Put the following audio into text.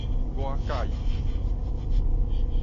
我佮意你